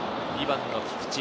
２番の菊池。